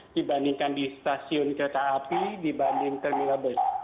yang di stasiun kota api dibanding terminal bus